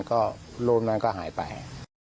ก็รูปนั้นก็หายไป